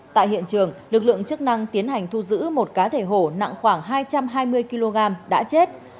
tại hiện trường lực lượng chức năng tiến hành thu giữ một cá thể hổ nặng khoảng hai trăm hai mươi kg đã chết